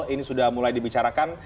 ini sudah mulai dibicarakan